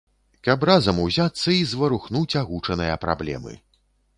Каб разам узяцца і зварухнуць агучаныя праблемы.